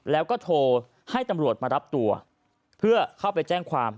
แล้วก็โทรให้ตำรวจมารับตัวเพื่อเข้าไปแจ้งความ